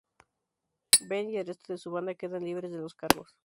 Ben y el resto de su banda quedan libres de los cargos.